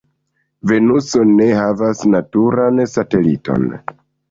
Venuso ne havas naturan sateliton.